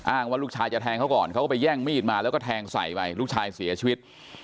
ว่าลูกชายจะแทงเขาก่อนเขาก็ไปแย่งมีดมาแล้วก็แทงใส่ไปลูกชายเสียชีวิต